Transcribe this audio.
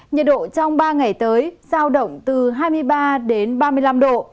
nhiệt độ trong ba ngày tới giao động từ hai mươi ba đến ba mươi năm độ